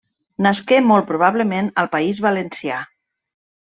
Nasqué molt probablement al País Valencià.